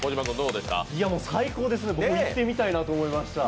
最高ですね、僕、行ってみたいと思いました。